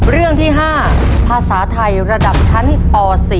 เรื่องที่๕ภาษาไทยระดับชั้นป๔